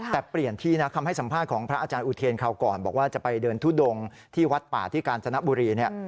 แต่เปลี่ยนที่นะคำให้สัมภาษณ์ของพระอาจารย์อุเทนคราวก่อนบอกว่าจะไปเดินทุดงที่วัดป่าที่กาญจนบุรี